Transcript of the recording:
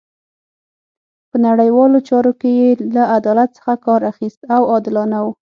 په نړیوالو چارو کې یې له عدالت څخه کار اخیست او عادلانه وو.